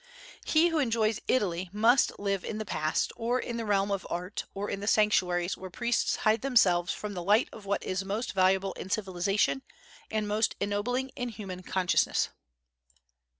He who enjoys Italy must live in the past, or in the realm of art, or in the sanctuaries where priests hide themselves from the light of what is most valuable in civilization and most ennobling in human consciousness.